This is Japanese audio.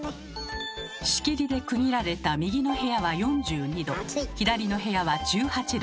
仕切りで区切られた右の部屋は４２℃左の部屋は１８℃。